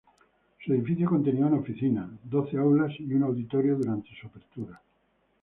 Su edificio contenía una oficina, doce aulas y un auditorio durante su apertura.